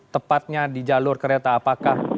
tepatnya di jalur kereta apakah